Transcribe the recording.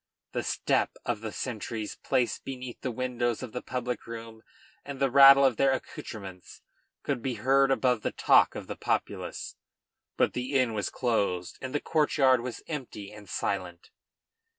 The step of the sentries placed beneath the windows of the public room and the rattle of their accoutrements could be heard above the talk of the populace; but the inn was closed and the courtyard was empty and silent.